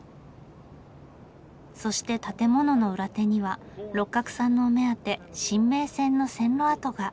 そして建物の裏手には六角さんのお目当て深名線の線路跡が。